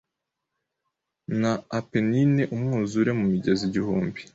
Na Apennine umwuzure mu migezi igihumbi